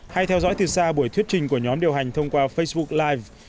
hay theo dõi từ xa buổi thuyết trình của nhóm điều hành thông qua facebook life